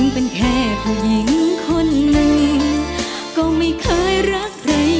น้องร้องขึ้นล้มใจฉัน